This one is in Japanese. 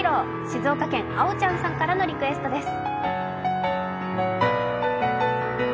静岡県あおちゃんさんからのリクエストです。